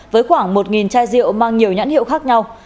với khoảng một chai rượu mang nhiều nhãn hiệu khác nhau